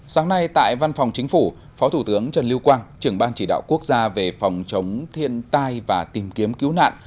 sáng nay tại văn phòng chính phủ phó thủ tướng trần lưu quang trưởng ban chỉ đạo quốc gia về phòng chống thiên tai và tìm kiếm cứu nạn